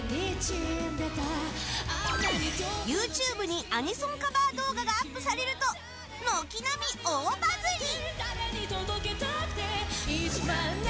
ＹｏｕＴｕｂｅにアニソンカバー動画がアップされると軒並み大バズり。